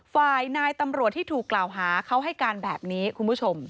นายตำรวจที่ถูกกล่าวหาเขาให้การแบบนี้คุณผู้ชม